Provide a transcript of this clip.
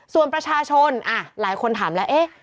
ส่วนประชาชนหลายคนถามแล้วเอ๊ะ